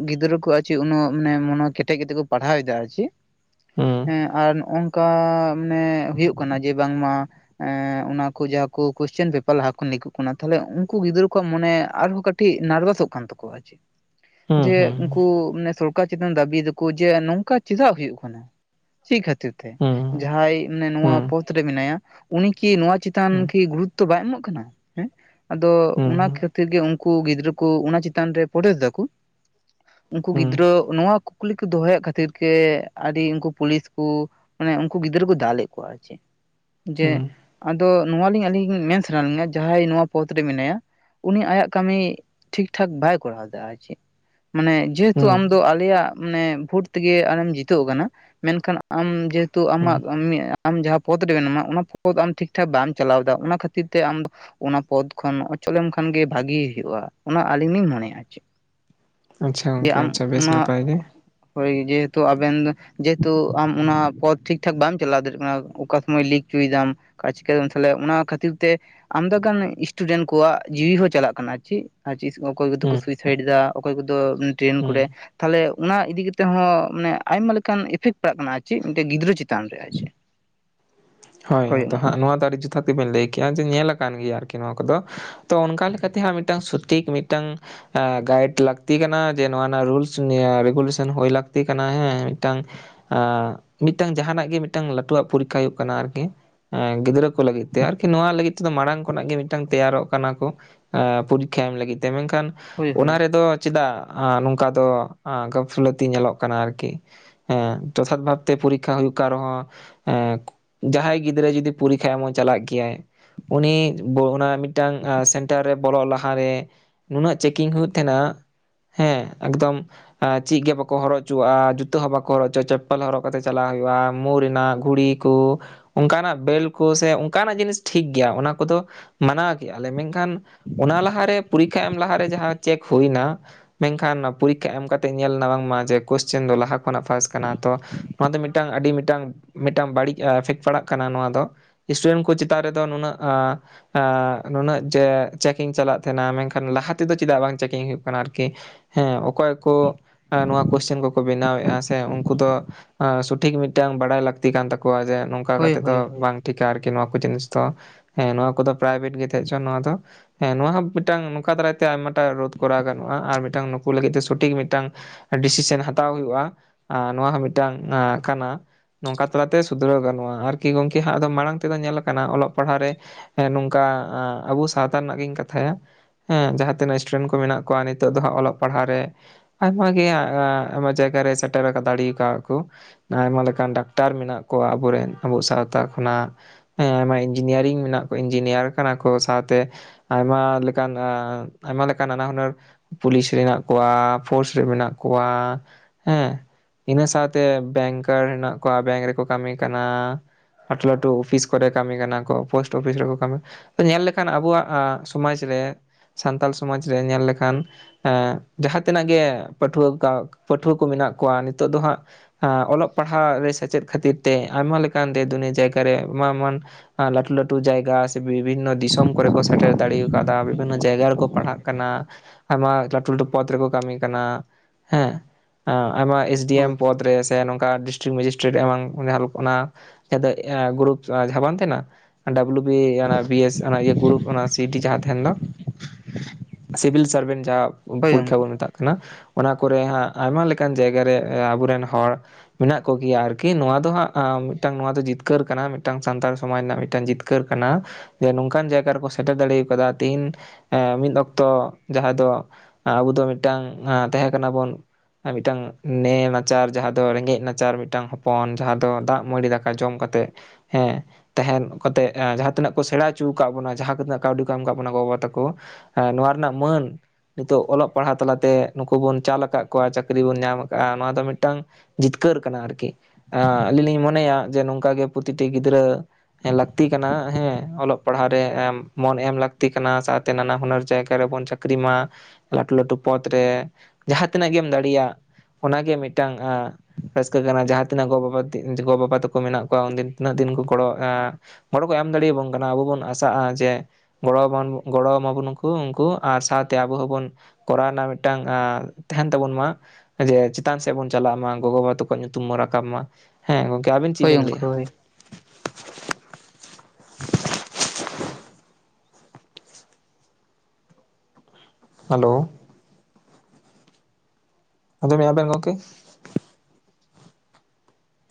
[SPEAKER 2] ᱜᱤᱫᱽᱨᱟᱹ ᱠᱚ ᱪᱮᱫ ᱩᱱᱟᱹᱜ ᱢᱟᱱᱮ ᱢᱚᱱᱮ ᱠᱮᱴᱮᱡ ᱠᱟᱛᱮ ᱠᱚ ᱯᱟᱲᱦᱟᱣ ᱮᱫᱟ ᱪᱮ
[SPEAKER 1] ᱦᱩᱸ
[SPEAKER 2] ᱦᱮᱸ ᱟᱨ ᱚᱝ ᱠᱟ ᱢᱟᱱᱮ ᱦᱩᱭᱩᱜ ᱠᱟᱱᱟ ᱡᱮ ᱵᱟᱝᱢᱟ ᱮᱸ ᱚᱱᱟ ᱠᱚ ᱡᱟᱦᱟᱸ ᱠᱚ ᱠᱚᱥᱪᱮᱱ ᱯᱮᱯᱟᱨ ᱞᱟᱦᱟ ᱠᱷᱚᱱ ᱞᱤᱠᱜ ᱠᱟᱱᱟ ᱛᱟᱦᱞᱮ ᱩᱱᱠᱩ ᱜᱤᱫᱽᱨᱟᱹ ᱠᱚᱣᱟᱜ ᱢᱚᱱᱮ ᱟᱨᱦᱚᱸ ᱠᱟ ᱴᱤᱡ ᱱᱟᱨᱵᱷᱟᱥᱚᱜ ᱠᱟᱱ ᱛᱟᱠᱚᱣᱟ ᱟᱪᱮ
[SPEAKER 1] ᱦᱩᱸ ᱦᱩᱸ
[SPEAKER 2] ᱡᱮ
[SPEAKER 1] ᱦᱩᱸ
[SPEAKER 2] ᱩᱝᱠᱩ ᱚᱱᱮ ᱥᱚᱨᱠᱟᱨ ᱪᱮᱛᱟᱱ ᱫᱟᱵᱤ ᱫᱟᱠᱚ ᱡᱮ ᱱᱚᱝᱠᱟ ᱪᱮᱫᱟᱜ ᱦᱩᱭᱩᱜ ᱠᱟᱱᱟ ᱪᱮᱫ ᱠᱷᱟᱹᱛᱤᱨ,
[SPEAKER 1] ᱦᱩᱸ
[SPEAKER 2] ᱡᱟᱦᱟᱸᱭ ᱢᱟᱱᱮ ᱱᱚᱣᱟ
[SPEAKER 1] ᱦᱩᱸ
[SPEAKER 2] ᱯᱚᱛ ᱨᱮ ᱢᱮᱱᱟᱭᱟ ᱩᱱᱤ ᱠᱤ ᱱᱚᱣᱟ ᱪᱮᱛᱟᱱ
[SPEAKER 1] ᱦᱩᱸ
[SPEAKER 2] ᱠᱤ ᱜᱩᱨᱩᱛ ᱛᱚ ᱵᱟᱭ ᱮᱢᱚᱜ ᱠᱟᱱᱟ ᱦᱮᱸ ᱟᱫᱚ
[SPEAKER 1] ᱦᱩᱸ
[SPEAKER 2] ᱚᱱᱟ ᱠᱷᱟᱹᱛᱤᱨ ᱜᱮ ᱩᱱᱠᱩ ᱜᱤᱫᱽᱨᱟᱹ ᱠᱩ ᱚᱱᱟ ᱪᱮᱛᱟᱱ ᱨᱮ ᱯᱨᱳᱴᱮᱥ ᱫᱟᱠᱩ, ᱩᱱᱠᱩ
[SPEAKER 1] ᱦᱩᱸ
[SPEAKER 2] ᱜᱤᱫᱽᱨᱟᱹ ᱱᱚᱣᱟ ᱠᱩᱠᱞᱤ ᱠᱚ ᱫᱚᱦᱚᱮᱫ ᱠᱷᱟᱹᱛᱤᱨ ᱛᱮ ᱟᱹᱰᱤ ᱩᱱᱠᱩ ᱯᱩᱞᱤᱥ ᱠᱚ ᱢᱟᱱᱮ ᱩᱱᱠᱩ ᱜᱤᱫᱽᱨᱟᱹ ᱠᱚ ᱫᱟᱞᱮᱫ ᱠᱚᱣᱟ ᱟᱨ ᱪᱮᱫ
[SPEAKER 1] ᱦᱩᱸ
[SPEAKER 2] ᱡᱮ
[SPEAKER 1] ᱦᱩᱸ
[SPEAKER 2] ᱟᱫᱚ ᱱᱚᱣᱟᱞᱤᱧ ᱟᱹᱞᱤᱧ ᱢᱮᱱ ᱥᱟᱱᱟᱭ ᱞᱤᱧᱟ ᱡᱟᱦᱟᱸᱭ ᱱᱚᱣᱟ ᱯᱚᱫᱽ ᱨᱮ ᱢᱮᱱᱟᱭᱟ ᱩᱱᱤ ᱟᱭᱟᱜ ᱠᱟᱹᱢᱤ ᱴᱷᱤᱠ ᱴᱷᱟᱠ ᱵᱟᱭ ᱠᱚᱨᱟᱣ ᱮᱫᱟ, ᱟᱨ ᱪᱮᱫ ᱢᱟᱱᱮ ᱡᱮᱦᱮᱛᱩ
[SPEAKER 1] ᱦᱩᱸ
[SPEAKER 2] ᱟᱢᱫᱚ ᱟᱞᱮᱭᱟᱜ ᱢᱟᱱᱮ ᱵᱷᱳᱴ ᱛᱮᱜᱮ ᱟᱢᱮᱢ ᱡᱤᱛᱟᱹᱣ ᱟᱠᱟᱱᱟ᱾ ᱢᱮᱱᱠᱷᱟᱱ ᱟᱢ ᱡᱮᱦᱮᱛᱩ ᱟᱢᱟᱜ
[SPEAKER 1] ᱦᱩᱸ
[SPEAKER 2] ᱟᱢ ᱡᱟᱦᱟᱸ ᱯᱚᱫ ᱨᱮ ᱢᱮᱱᱟᱢᱟ ᱚᱱᱟ ᱯᱚᱫ ᱟᱢ ᱴᱷᱤᱠ ᱴᱷᱤᱠ ᱴᱷᱟᱠ ᱵᱟᱢ ᱪᱟᱞᱟᱣᱮᱫᱟ ᱚᱱᱟ ᱠᱷᱟᱹᱛᱤᱨ ᱛᱮ ᱟᱢ ᱚᱱᱟ ᱯᱚᱫ ᱠᱷᱚᱱ ᱚᱪᱚ ᱞᱮᱢᱠᱷᱟᱱᱜᱤ ᱵᱷᱟᱜᱤᱭ ᱦᱩᱭᱩᱜᱼᱟ ᱚᱱᱟ ᱟᱹᱞᱤᱧ ᱞᱤᱧ ᱢᱚᱱᱮᱭᱟ ᱪᱮᱫ,
[SPEAKER 1] ᱟᱪᱪᱷᱟ
[SPEAKER 2] ᱡᱮ
[SPEAKER 1] ᱜᱚᱝᱠᱮ
[SPEAKER 2] ᱟᱢ
[SPEAKER 1] ᱟᱪᱪᱷᱟ ᱵᱮᱥ
[SPEAKER 2] ᱚᱱᱟ
[SPEAKER 1] ᱱᱟᱯᱟᱭ ᱜᱮ
[SPEAKER 2] ᱦᱳᱭ ᱡᱮᱦᱮᱛᱩ ᱟᱵᱮᱱ ᱫᱚ ᱡᱮᱦᱮᱛᱩ ᱟᱢ ᱚᱱᱟ ᱯᱚᱫ ᱴᱷᱤᱠ ᱴᱷᱟᱠ ᱵᱟᱢ ᱪᱟᱞᱟᱣ ᱫᱟᱲᱮᱭᱟᱜ ᱠᱟᱱᱟ ᱚᱠᱟ ᱥᱚᱢᱚᱭ ᱞᱤᱠ ᱦᱚᱪᱚᱭ ᱫᱟᱢ, ᱟᱨ ᱪᱤᱠᱟᱹ ᱫᱟᱢ ᱛᱟᱦᱚᱞᱮ ᱚᱱᱟ ᱠᱷᱟᱹᱛᱤᱨ ᱛᱮ ᱟᱢᱫᱟ ᱜᱟᱱ ᱤᱥᱴᱩᱰᱮᱱᱴ ᱠᱚᱣᱟᱜ ᱡᱤᱣᱤ ᱦᱚᱸ ᱪᱟᱞᱟᱜ ᱠᱟᱱᱟ ᱟᱨ ᱪᱮᱫ ᱟᱨ ᱪᱮᱫ, ᱚᱠᱚᱭ ᱠᱚᱫᱚ ᱠᱚ
[SPEAKER 1] ᱦᱩᱸ
[SPEAKER 2] ᱥᱩᱭᱥᱟᱭᱤᱰ ᱮᱫᱟ ᱚᱠᱚᱭ ᱠᱚᱫᱚ ᱴᱨᱮᱹᱱ
[SPEAKER 1] ᱦᱩᱸ
[SPEAKER 2] ᱠᱚᱨᱮ ᱛᱟᱦᱚᱞᱮ ᱚᱱᱟ ᱤᱫᱤ ᱠᱟᱛᱮ ᱦᱚᱸ ᱢᱟᱱᱮ ᱟᱭᱢᱟ ᱞᱮᱠᱟᱱ ᱤᱯᱷᱮᱠᱴ ᱯᱟᱲᱟᱜ ᱠᱟᱱᱟ ᱟᱨ ᱪᱮᱫ ᱮᱱᱛᱮ ᱜᱤᱫᱽᱨᱟᱹ ᱪᱮᱛᱟᱱ ᱨᱮ ᱟᱨ ᱪᱮᱫ, [unintelligible]
[SPEAKER 1] ᱦᱳᱭ ᱟᱫᱚ ᱦᱟᱸᱜ ᱱᱚᱣᱟ ᱫᱚ ᱟᱹᱰᱤ ᱡᱚᱛᱷᱟ ᱜᱮᱵᱮᱱ ᱞᱟᱹᱭ ᱠᱮᱫᱮᱜᱼᱟ ᱡᱮ ᱧᱮᱞ ᱟᱠᱟᱱ ᱜᱮᱭᱟ ᱟᱨᱠᱤ ᱱᱚᱣᱟ ᱠᱚᱫᱚ᱾ ᱛᱚ ᱚᱱᱠᱟ ᱞᱮᱠᱟ ᱛᱮᱦᱟᱸᱜ ᱢᱤᱫᱴᱟᱝ ᱥᱚᱴᱷᱤᱠ ᱢᱤᱫᱴᱟᱝ ᱦᱮᱸ ᱜᱟᱭᱤᱰ ᱞᱟᱹᱠᱛᱤ ᱠᱟᱱᱟ ᱡᱮ ᱱᱚᱣᱟ ᱨᱮᱱᱟᱜ ᱨᱩᱞᱥ ᱨᱮᱜᱩᱞᱮᱥᱚᱱ ᱦᱩᱭ ᱞᱟᱹᱠᱛᱤ ᱠᱟᱱᱟ ᱦᱮᱸ ᱢᱤᱫᱴᱟᱝ ᱮᱸ ᱢᱤᱫᱴᱟᱝ ᱡᱟᱦᱟᱱᱟᱜ ᱜᱮ ᱢᱤᱫᱴᱟᱝ ᱞᱟᱹᱴᱩᱣᱟᱜ ᱯᱚᱨᱤᱠᱠᱷᱟ ᱦᱩᱭᱩᱜ ᱠᱟᱱᱟ ᱟᱨᱠᱤ, ᱜᱤᱫᱽᱨᱟᱹ ᱠᱚ ᱞᱟᱹᱜᱤᱫ ᱛᱮ ᱟᱨᱠᱤ ᱱᱚᱣᱟ ᱞᱟᱹᱜᱤᱫ ᱛᱮᱫᱚ ᱢᱟᱲᱟᱝ ᱠᱷᱚᱱᱟᱜ ᱜᱮ ᱢᱤᱫᱴᱟᱝ ᱛᱮᱭᱟᱨᱚᱜ ᱠᱟᱱᱟ ᱠᱚ᱾ ᱯᱚᱨᱤᱠᱠᱷᱟ ᱮᱢ ᱞᱟᱹᱜᱤᱫ ᱛᱮ ᱢᱮᱱᱠᱷᱟᱱ
[SPEAKER 2] ᱦᱳᱭ ᱦᱳᱭ
[SPEAKER 1] ᱚᱱᱟ ᱨᱮᱫᱚ ᱪᱮᱫᱟᱜ ᱱᱚᱝᱠᱟ ᱫᱚ ᱜᱟᱯᱷᱞᱟᱹᱛᱤ ᱧᱮᱞᱚᱜ ᱠᱟᱱᱟ ᱟᱨᱠᱤ᱾ ᱦᱮᱸ ᱡᱚᱛᱷᱟᱛ ᱵᱷᱟᱵᱛᱮ ᱯᱚᱨᱤᱠᱠᱷᱟ ᱦᱩᱭᱩᱜ ᱠᱟᱱ ᱨᱮᱦᱚᱸ ᱮ ᱡᱟᱦᱟᱸᱭ ᱜᱤᱫᱽᱨᱟᱹ ᱡᱩᱫᱤ ᱯᱚᱨᱤᱠᱠᱷᱟ ᱮᱢᱚ ᱪᱟᱞᱟᱜ ᱜᱮᱭᱟᱭ ᱩᱱᱤ ᱚᱱᱟ ᱢᱤᱫᱴᱟᱝ ᱥᱮᱱᱴᱟᱨ ᱨᱮ ᱵᱚᱞᱚᱜ ᱞᱟᱦᱟᱨᱮ ᱱᱩᱱᱟᱹᱜ ᱪᱮᱠᱤᱝ ᱦᱩᱭᱩᱜ ᱛᱟᱦᱮᱸᱱᱟ ᱦᱮᱸ ᱮᱠᱫᱚᱢ ᱮ ᱪᱮᱫᱜ ᱜᱮ ᱵᱟᱠᱚ ᱦᱚᱨᱚ ᱦᱚᱪᱚᱣᱟᱜᱼᱟ ᱡᱩᱛᱟᱹ ᱦᱚᱸ ᱵᱟᱠᱚ ᱦᱚᱨᱚᱜ ᱦᱚᱪᱚᱣᱟᱜ ᱪᱟᱯᱯᱟᱞ ᱦᱚᱨᱚᱜ ᱠᱟᱛᱮ ᱪᱟᱞᱟᱜ ᱦᱩᱭᱩᱜᱼᱟ ᱢᱩ ᱨᱮᱱᱟᱜ ᱜᱷᱩᱲᱤ ᱠᱚ, ᱚᱱᱠᱟᱱᱟᱜ ᱵᱮᱞ ᱠᱚ ᱥᱮ ᱚᱱᱠᱟᱱᱟᱜ ᱡᱤᱱᱤᱥ ᱴᱷᱤᱠ ᱜᱮᱭᱟ ᱚᱱᱟ ᱠᱚᱫᱚ ᱢᱟᱱᱟᱣ ᱠᱮᱜᱼᱟ ᱞᱮ ᱢᱮᱱᱠᱷᱟᱱ ᱚᱱᱟ ᱞᱟᱦᱟᱨᱮ ᱯᱚᱨᱤᱠᱠᱷᱟ ᱮᱢ ᱞᱟᱦᱟᱨᱮ ᱡᱟᱦᱟᱸ ᱪᱮᱠ ᱦᱩᱭᱱᱟ, ᱢᱮᱱᱠᱷᱟᱱ ᱱᱚᱣᱟ ᱯᱚᱨᱤᱠᱠᱷᱟ ᱮᱢ ᱠᱟᱛᱮᱫ ᱧᱮᱞᱱᱟ ᱵᱟᱝᱢᱟ ᱡᱮ ᱠᱚᱥᱪᱮᱱ ᱫᱚ ᱞᱟᱦᱟ ᱠᱷᱚᱱᱟᱜ ᱯᱷᱟᱥᱴ ᱠᱟᱱᱟ ᱛᱚ ᱱᱚᱣᱟ ᱫᱚ ᱢᱤᱫᱴᱟᱝ ᱟᱹᱰᱤ ᱢᱤᱫᱴᱟᱝ ᱢᱤᱫᱴᱟᱝ ᱵᱟᱹᱲᱤᱡ ᱮᱯᱷᱮᱠᱴ ᱯᱟᱲᱟᱜ ᱠᱟᱱᱟ ᱱᱚᱣᱟ ᱫᱚ᱾ ᱥᱴᱩᱰᱮᱱᱴ ᱠᱚ ᱪᱮᱛᱟᱱ ᱨᱮᱫᱚ ᱱᱩᱱᱟᱹᱜ ᱮ ᱱᱩᱱᱟᱹᱜ ᱡᱮ ᱪᱮᱠᱤᱝ ᱪᱟᱞᱟᱜ ᱛᱟᱦᱮᱱᱟ ᱢᱮᱱᱠᱷᱟᱱ ᱞᱟᱦᱟ ᱛᱮᱫᱚ ᱪᱮᱫᱟᱜ ᱵᱟᱝ ᱪᱮᱠᱤᱝ ᱦᱩᱭᱩᱜ ᱠᱟᱱᱟ ᱟᱨᱠᱤ, ᱦᱮᱸ ᱚᱠᱚᱭ ᱠᱚ ᱱᱚᱣᱟ ᱠᱚᱥᱪᱮᱱ ᱠᱚᱠᱚ ᱵᱮᱱᱟᱣᱮᱫᱼᱟ ᱥᱮ ᱩᱱᱠᱩ ᱫᱚ ᱥᱚᱴᱷᱤᱠ ᱢᱤᱫᱴᱟᱝ ᱵᱟᱲᱟᱭ ᱞᱟᱹᱠᱛᱤ ᱠᱟᱱ ᱛᱟᱠᱚᱣᱟ ᱡᱮ ᱱᱚᱝᱠᱟ
[SPEAKER 2] ᱦᱳᱭ
[SPEAKER 1] ᱠᱟᱛᱮᱜ ᱫᱚ
[SPEAKER 2] ᱦᱳᱭ ᱦᱳᱭ
[SPEAKER 1] ᱵᱟᱝ ᱴᱷᱤᱠᱟ ᱟᱨᱠᱤ ᱱᱚᱣᱟ ᱠᱚ ᱡᱤᱱᱤᱥ ᱫᱚ ᱦᱮᱸ ᱱᱚᱣᱟ ᱠᱚᱫᱚ ᱯᱨᱟᱭᱵᱷᱮᱴ ᱜᱮ ᱛᱟᱦᱮᱸ ᱪᱚᱱ ᱱᱚᱣᱟ ᱫᱚ ᱾ ᱦᱮᱸ ᱱᱚᱣᱟ ᱦᱚᱸ ᱢᱤᱫᱴᱟᱝ ᱱᱚᱝᱠᱟ ᱫᱟᱨᱟᱭᱛᱮ ᱟᱭᱢᱟᱴᱟᱜ ᱨᱳᱫ ᱠᱚᱨᱟᱣ ᱜᱟᱱᱚᱜᱼᱟ ᱟᱨ ᱢᱤᱫᱴᱟᱝ ᱱᱩᱠᱩ ᱞᱟᱹᱜᱤᱫ ᱛᱮ ᱥᱚᱴᱷᱤᱠ ᱢᱤᱫᱴᱟᱝ ᱰᱤᱥᱤᱥᱮᱱ ᱦᱟᱛᱟᱣ ᱦᱩᱭᱩᱜᱼᱟ ᱱᱚᱣᱟ ᱦᱚᱸ ᱢᱤᱫᱴᱟᱝ ᱠᱟᱱᱟ ᱱᱚᱝᱠᱟ ᱛᱟᱞᱟᱛᱮ ᱛᱮ ᱥᱩᱫᱷᱨᱣ ᱜᱟᱱᱚᱜᱼᱟ ᱟᱨᱠᱤ ᱜᱚᱝᱠᱮ ᱦᱟᱸᱜ ᱟᱫᱚ ᱢᱟᱲᱟᱝ ᱛᱮᱫᱚ ᱧᱮᱞ ᱟᱠᱟᱱᱟ ᱚᱞᱚᱜ ᱯᱟᱲᱦᱟᱜ ᱨᱮ ᱦᱮᱸ ᱱᱚᱝᱠᱟ ᱟᱵᱚ ᱥᱟᱶᱛᱟ ᱨᱮᱱᱟᱜ ᱜᱤᱧ ᱠᱟᱛᱷᱟᱭᱟ ᱾ ᱦᱮᱸ ᱡᱟᱦᱟᱸ ᱛᱤᱱᱟᱹᱜ ᱥᱴᱩᱰᱮᱱᱴ ᱠᱚ ᱢᱮᱱᱟᱜ ᱠᱚᱣᱟ ᱱᱤᱛᱚᱜ ᱫᱚ ᱦᱟᱸᱜ ᱚᱞᱚᱜ ᱯᱟᱲᱦᱟᱜ ᱨᱮᱼᱼ ᱟᱭᱢᱟ ᱜᱮ ᱟᱭᱢᱟ ᱡᱟᱭᱜᱟ ᱨᱮ ᱥᱮᱴᱮᱨ ᱟᱠᱟ ᱫᱟᱲᱮ ᱟᱠᱟᱫ ᱠᱚᱼᱼ ᱟᱭᱢᱟ ᱞᱮᱠᱟᱱ ᱰᱟᱠᱛᱟᱨ ᱢᱮᱱᱟᱜ ᱠᱚᱣᱟ ᱟᱵᱚᱨᱮᱱ ᱟᱵᱚ ᱥᱟᱶᱛᱟ ᱠᱷᱚ ᱱᱟᱜ᱾ ᱦᱮᱸ ᱟᱭᱢᱟ ᱤᱧᱡᱤᱱᱤᱭᱟᱨᱤᱝ ᱢᱮᱱᱟᱜ ᱠᱚᱣᱟ ᱤᱧᱡᱤᱱᱤᱭᱟᱨ ᱠᱟᱱᱟ ᱠᱚ ᱥᱟᱶᱛᱮᱼᱼ ᱟᱭᱢᱟ ᱞᱮᱠᱟᱱ ᱟᱭᱢᱟ ᱞᱮᱠᱟᱱ ᱱᱟᱱᱟ ᱦᱩᱱᱟᱹᱨᱼᱼ ᱯᱩᱞᱤᱥ ᱢᱮᱱᱟᱜ ᱠᱚᱣᱟ ᱯᱷᱳᱨᱥ ᱨᱮ ᱢᱮᱱᱟᱜ ᱠᱚᱣᱟ ᱦᱮᱸ, ᱤᱱᱟᱹ ᱥᱟᱶᱛᱮ ᱵᱮᱝᱠᱟᱨ ᱦᱮᱱᱟᱜ ᱠᱚᱣᱟ ᱵᱮᱝᱠ ᱨᱮᱠᱚ ᱠᱟᱹᱢᱤ ᱠᱟᱱᱟ᱾ ᱞᱟᱹᱴᱩ ᱞᱟᱹᱴᱩ ᱚᱯᱷᱤᱥ ᱠᱚᱨᱮ ᱠᱟᱹᱢᱤ ᱠᱟᱱᱟ ᱠᱚ ᱯᱳᱥᱴ ᱚᱯᱷᱤᱥ ᱨᱮᱠᱚ ᱠᱟᱹᱢᱤᱼᱼ ᱧᱮᱞ ᱞᱮ ᱠᱷᱟᱱ ᱟᱵᱚᱣᱟᱜ ᱥᱚᱢᱟᱡᱽ ᱨᱮ ᱥᱟᱱᱛᱟᱞ ᱥᱚᱢᱟᱡᱽ ᱨᱮ ᱧᱮᱞ ᱞᱮ ᱠᱷᱟᱱ ᱮᱸᱜ ᱡᱟᱦᱟᱸ ᱛᱤᱱᱟᱹ ᱜᱮ ᱯᱟᱹᱴᱷᱩᱣᱟᱹ ᱠᱚ ᱯᱟᱹᱴᱷᱩᱣᱟᱹ ᱠᱚ ᱢᱮᱱᱟᱜ ᱠᱚᱣᱟ ᱱᱤᱛᱚᱜ ᱫᱚ ᱦᱟᱸᱜᱼᱼ ᱚᱞᱚᱜ ᱯᱟᱲᱦᱟᱜ ᱨᱮ ᱥᱮᱪᱮᱫ ᱠᱷᱟᱹᱛᱤᱨ ᱛᱮ ᱟᱭᱢᱟ ᱞᱮᱠᱟᱱ ᱫᱮᱼ ᱫᱩᱱᱤᱭᱟᱹ ᱡᱟᱭᱜᱟᱮ ᱮᱢᱟᱱ ᱮᱢᱟᱱᱼᱼ ᱞᱟᱹᱴᱩ ᱞᱟᱹᱴᱩ ᱡᱟᱭᱜᱟ ᱥᱮ ᱵᱤᱵᱷᱤᱱᱱᱚ ᱫᱤᱥᱚᱢ ᱠᱚᱨᱮ ᱠᱚ ᱥᱮᱴᱮᱨ ᱫᱟᱲᱮᱣ ᱠᱟᱫᱟ ᱵᱤᱵᱷᱤᱱᱱᱚ ᱡᱟᱭᱜᱟ ᱨᱮᱠᱚ ᱯᱟᱲᱦᱟᱜ ᱠᱟᱱᱟ᱾ ᱟᱭᱢᱟ ᱞᱟᱹᱴᱩ ᱞᱟᱹᱴᱩ ᱯᱚᱫ ᱨᱮᱠᱚ ᱠᱟᱹᱢᱤ ᱠᱟᱱᱟ ᱦᱮᱸ ᱟᱭᱢᱟ ᱮᱥᱼᱼ ᱰᱤ
[SPEAKER 2] ᱦᱳᱭ
[SPEAKER 1] ᱮᱢ ᱯᱚᱫᱽ ᱨᱮ ᱥᱮ ᱱᱚᱝᱠᱟ ᱰᱤᱥᱴᱨᱤᱠ ᱢᱮᱡᱤᱥᱴᱨᱮᱴ ᱮᱢᱟᱱ ᱡᱟᱦᱟᱸ ᱚᱱᱟᱼᱼ ᱡᱟᱦᱟᱸ ᱫᱚ ᱜᱨᱩᱯ ᱡᱟᱸᱦᱟ ᱵᱟᱝ ᱛᱟᱦᱮᱸᱱᱟ? ᱰᱟᱵᱞᱩ ᱵᱤ ᱚᱱᱟ ᱵᱤ ᱮᱥ ᱚᱱᱟ ᱤᱭᱟᱹ ᱜᱨᱩᱯ ᱚᱱᱟ ᱥᱤᱴᱤ ᱡᱟᱦᱟᱸ ᱛᱟᱦᱮᱸᱱ ᱫᱚ᱾ ᱥᱤᱵᱤᱞ ᱥᱟᱨᱵᱷᱮᱱᱴ ᱡᱟᱦᱟᱸ
[SPEAKER 2] ᱦᱳᱭ
[SPEAKER 1] ᱯᱚᱨᱤᱠᱠᱷᱟ
[SPEAKER 2] ᱜᱚᱝᱠᱮ
[SPEAKER 1] ᱵᱚᱱ ᱢᱮᱛᱟᱜ ᱠᱟᱱᱟ᱾ ᱚᱱᱟ ᱠᱚᱨᱮ ᱦᱟᱸᱜ ᱟᱭᱢᱟ ᱞᱮᱠᱟᱱ ᱡᱟᱭᱜᱟ ᱨᱮ ᱟᱵᱚᱨᱮᱱ ᱦᱚᱲ ᱢᱮᱱᱟᱜ ᱠᱚᱜᱮᱭᱟ ᱟᱨᱠᱤ᱾ ᱠᱤ ᱱᱚᱣᱟ ᱫᱚ ᱦᱟᱸᱜ ᱢᱤᱫᱴᱟᱝ ᱱᱚᱣᱟ ᱫᱚ ᱡᱤᱛᱠᱟᱹᱨ ᱠᱟᱱᱟ ᱢᱤᱫᱴᱟᱝ ᱥᱟᱱᱛᱟᱲ ᱥᱚᱢᱟᱡᱽ ᱨᱮᱱᱟᱜ ᱢᱤᱫᱴᱟᱝ ᱡᱤᱛᱠᱟᱹᱨ ᱠᱟᱱᱟ᱾ ᱡᱮ ᱱᱚᱝᱼᱠᱟᱱ ᱡᱟᱭᱜᱟ ᱨᱮᱠᱚ ᱥᱮᱴᱮᱨ ᱫᱟᱲᱮᱣ ᱠᱟᱫᱟ ᱛᱤᱦᱤᱱ ᱮ ᱢᱤᱫ ᱚᱠᱛᱚ ᱡᱟᱦᱟᱸᱭ ᱫᱚ᱾ ᱟᱵᱚ ᱫᱚ ᱢᱤᱫᱴᱟᱝ ᱛᱟᱦᱮᱸ ᱠᱟᱱᱟ ᱵᱚᱱ ᱟᱨ ᱢᱤᱫ ᱴᱟᱝ ᱱᱮ ᱱᱟᱪᱟᱨ ᱡᱟᱦᱟᱸ ᱫᱚ ᱨᱮᱸᱜᱮᱡ ᱱᱟᱪᱟᱨ ᱢᱤᱫᱴᱟᱝ ᱦᱚᱼᱼ ᱦᱚᱯᱚᱱ ᱡᱟᱦᱟᱸ ᱫᱚ ᱫᱟᱜ ᱢᱟᱹᱲᱤ ᱫᱟᱠᱟ ᱡᱚᱢ ᱠᱟᱛᱮᱜ ᱦᱮᱸᱼᱼ ᱛᱟᱦᱮᱱ ᱠᱟᱛᱮᱜ ᱡᱟᱦᱟᱸ ᱛᱤᱱᱟᱹᱜ ᱠᱚ ᱥᱮᱬᱟ ᱦᱚᱪᱩ ᱠᱟᱫ ᱵᱚᱱᱟ ᱡᱟᱦᱟᱸ ᱛᱤᱱᱟᱹᱜ ᱠᱟᱹᱣᱰᱤ ᱠᱚ ᱮᱢ ᱠᱟᱟᱜ ᱵᱚᱱᱟ ᱜᱚ ᱵᱟᱵᱟ ᱛᱟᱠᱚᱼᱼ ᱦᱮᱸ ᱱᱚᱣᱟ ᱨᱮᱱᱟᱜ ᱢᱟᱹᱱ ᱱᱤᱛᱚᱜ ᱚᱞᱚᱜ ᱯᱟᱲᱦᱟᱜ ᱛᱟᱞᱟᱛᱮ ᱱᱩᱠᱩ ᱵᱚᱱ ᱪᱟᱞ ᱟᱠᱟᱫ ᱠᱚᱣᱟ ᱪᱟᱹᱠᱨᱤ ᱵᱚᱱ ᱧᱟᱢ ᱟᱠᱟᱫᱼᱟ ᱱᱚᱣᱟ ᱫᱚ ᱢᱤᱫ ᱴᱟᱝ ᱡᱤᱛᱠᱟᱹᱨ ᱠᱟᱱᱟ ᱟᱨᱠᱤ ᱮᱸ ᱟᱹᱞᱤᱧ ᱞᱤᱧ ᱢᱚᱱᱮᱭᱟ ᱡᱮ ᱱᱚᱝᱠᱟᱜᱮ ᱯᱨᱚᱛᱤᱴᱤ ᱜᱤᱫᱽᱨᱟᱹ ᱮ ᱞᱟᱹᱠᱛᱤ ᱠᱟᱱᱟ ᱦᱮᱸ ᱚᱞᱚᱜ ᱯᱟᱲᱦᱟᱜ ᱨᱮ ᱢᱚᱱ ᱮᱢ ᱞᱟᱹᱠᱛᱤ ᱠᱟᱱᱟ ᱥᱟᱶᱛᱮ ᱱᱟᱱᱟ ᱦᱩᱱᱟᱹᱨ ᱡᱟᱭᱜᱟ ᱨᱮᱵᱚᱱᱼᱼ ᱪᱟᱹᱠᱨᱤᱢᱟ ᱞᱟᱹᱴᱩ ᱞᱟᱹᱴᱩ ᱯᱚᱫᱽ ᱨᱮ ᱡᱟᱦᱟᱸ ᱛᱤᱱᱟᱹᱜ ᱜᱤᱢ ᱫᱟᱲᱮ ᱭᱟᱜ, ᱚᱱᱟᱜᱮ ᱢᱤᱫ ᱴᱟᱝ ᱨᱟᱹᱥᱠᱟᱹ ᱠᱟᱱᱟ ᱡᱟᱦᱟᱸᱼᱼ ᱛᱤᱱᱟᱹᱜ ᱜᱚᱼᱵᱟ ᱜᱚᱼᱵᱟᱵᱟ ᱛᱟᱠᱚ ᱢᱮᱱᱟᱜ ᱠᱚᱣᱟ ᱩᱱᱫᱤᱱ ᱛᱤᱱᱟᱹᱜ ᱫᱤᱱ ᱠᱚ ᱜᱚᱲᱚ ᱮᱸᱼᱼ ᱜᱚᱲᱚ ᱠᱚ ᱮᱢ ᱫᱟᱲᱮᱭᱟᱵᱚᱱ ᱠᱟᱱᱟ ᱟᱵᱚ ᱵᱚᱱ ᱟᱥᱟᱜᱼᱟ ᱡᱮᱼᱼ ᱜᱚᱲᱚᱣ ᱟᱵᱚᱱ ᱜᱚᱲᱚ ᱟᱢᱟᱠᱚ ᱱᱩᱠᱩ ᱩᱱᱠᱩ ᱟᱨ ᱥᱟᱶᱛᱮ ᱟᱵᱚ ᱦᱚᱸᱵᱚᱱᱼᱼ ᱠᱚᱨᱟᱣ ᱨᱮᱱᱟᱜ ᱢᱤᱫᱴᱟᱝ ᱛᱟᱦᱮᱸᱱ ᱛᱟᱵᱚᱱ ᱢᱟᱼᱼ ᱡᱮ ᱪᱮᱛᱟᱱ ᱥᱮᱫ ᱵᱚᱱ ᱪᱟᱞᱟᱜ ᱢᱟ ᱜᱚ ᱵᱟᱵᱟ ᱛᱟᱠᱚᱣᱟᱜ ᱧᱩᱛᱩᱢ ᱵᱚᱱ ᱨᱟᱠᱟᱵ ᱢᱟ ᱦᱮᱸ ᱜᱚᱝᱠᱮ ᱟᱵᱤᱱ ᱪᱮᱫ
[SPEAKER 2] ᱦᱳᱭ
[SPEAKER 1] ᱵᱤᱱ ᱞᱟᱹᱭᱟ? ᱦᱮᱞᱳ ᱟᱸᱡᱚᱢᱮᱜᱼᱟ ᱵᱮᱱ ᱜᱚᱝᱠᱮ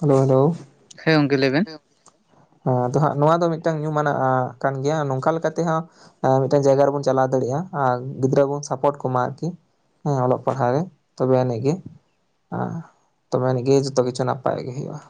[SPEAKER 1] ᱦᱮᱞᱳ ᱦᱮᱞᱳ
[SPEAKER 2] ᱦᱮᱸ ᱜᱚᱝᱼᱠᱮ ᱞᱟᱹᱭ ᱵᱮᱱ
[SPEAKER 1] ᱮᱸ ᱟᱫᱚ ᱱᱟᱦᱟᱸᱜ ᱱᱚᱣᱟ ᱫᱚ ᱢᱤᱫᱴᱟᱝ ᱧᱩᱢᱟᱱᱟᱜ ᱟᱸ ᱠᱟᱱ ᱜᱮᱭᱟ ᱱᱚᱝᱠᱟ ᱞᱮᱠᱟ ᱛᱮᱦᱚᱸᱼᱼ ᱢᱤᱫᱴᱮᱱ ᱡᱟᱭᱜᱟ ᱨᱮᱵᱚᱱ ᱪᱟᱞᱟᱣ ᱫᱟᱲᱮᱭᱟᱜᱼᱟ ᱟᱨ ᱜᱤᱫᱽᱨᱟᱹ ᱵᱚᱱ ᱥᱟᱯᱳᱨᱴ ᱠᱚᱢᱟ ᱟᱨᱠᱤ᱾ ᱦᱮᱸ ᱚᱞᱚᱜ ᱯᱟᱲᱦᱟᱜ ᱨᱮ ᱛᱚᱵᱮ ᱟᱹᱱᱤᱡ ᱜᱮ ᱛᱚᱵᱮ ᱟᱹᱱᱤᱡᱜᱮ ᱡᱚᱛᱚ ᱠᱤᱪᱷᱩ ᱱᱟᱯᱼᱼ ᱯᱟᱭ ᱜᱮ ᱦᱩᱭᱩᱜᱼᱟ᱾